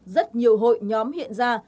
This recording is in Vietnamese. rất nhiều hội nhóm hiện ra